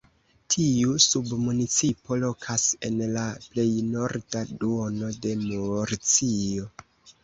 Tiu submunicipo lokas en la plej norda duono de Murcio.